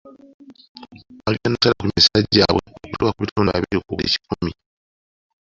Bagenda kusala ku misaala gyabwe okutuuka ku bitundu abiri ku buli kikumi.